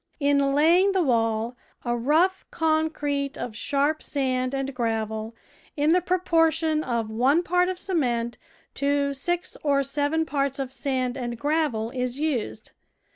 In laying the wall, a rough concrete of sharp sand and gravel, in the proportion of one part of cement to six or seven parts of sand and gravel, is used.